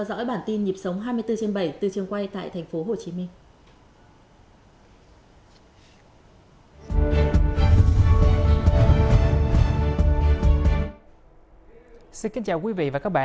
xin kính chào quý vị và các bạn